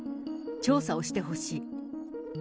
調査をしてほしい。